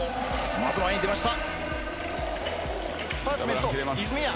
まずは前に出ました。